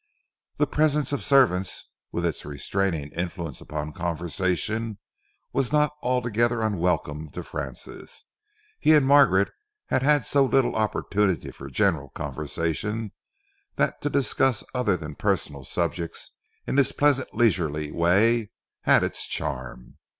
The presence of servants, with its restraining influence upon conversation, was not altogether unwelcome to Francis. He and Margaret had had so little opportunity for general conversation that to discuss other than personal subjects in this pleasant, leisurely way had its charm.